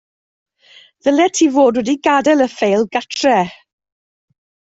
Ddylet ti fod wedi gadael y ffeil gartref